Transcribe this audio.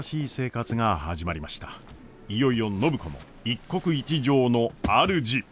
いよいよ暢子も一国一城のあるじ！